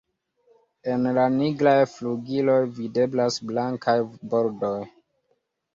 En la nigraj flugiloj videblas blankaj bordoj.